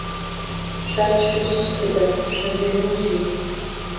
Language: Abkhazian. Шәарҭ шәызусҭда, шәнап ианузеи?